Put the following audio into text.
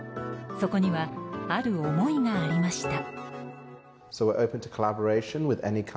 そこにはある思いがありました。